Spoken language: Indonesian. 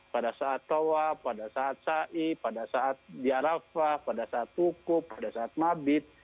pada saat tawa pada saat syaih pada saat diafah pada saat tukup pada saat mabid